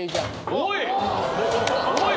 おい！